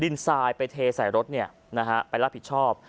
ดินทรายไปเทใส่รถเนี่ยนะฮะไปรับผิดชอบ